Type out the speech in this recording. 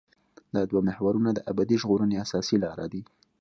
دا دوه محورونه د ابدي ژغورنې اساسي لاره دي.